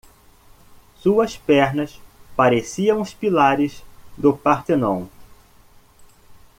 Suas pernas pareciam os pilares do Parthenon.